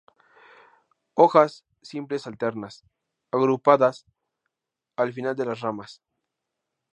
Hojas simples alternas, agrupadas al final de las ramas.